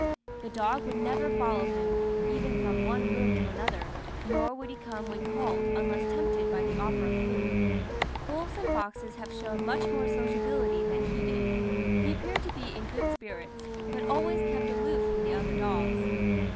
The dog would never follow him, even from one room to another; nor would he come when called, unless tempted by the offer of food. Wolves and foxes have shown much more sociability than he did. He appeared to be in good spirits, but always kept aloof from the other dogs.